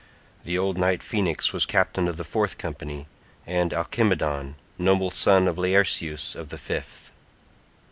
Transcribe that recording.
The old knight Phoenix was captain of the fourth company, and Alcimedon, noble son of Laerceus of the fifth.